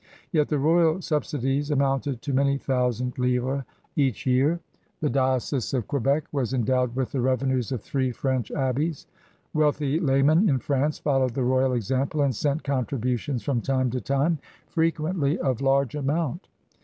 Yet the royal subsidies amounted to many thousand livres each year. The diocese of Quebec was endowed with the revenues of three French abbeys. Wealthy laymen in France followed the royal example and sent contributions from time to time, frequently of 180 CRUSADERS OP NEW FRANCE large amount.